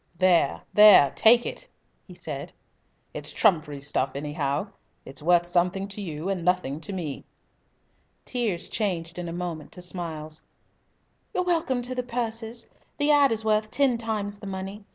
"There! there! Take it!" he said. "It's trumpery stuff, anyhow. It's worth something to you, and nothing to me." Tears changed in a moment to smiles. "You're welcome to the purses. The 'ad.' is worth ten times the money.